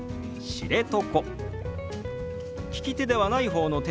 「知床」。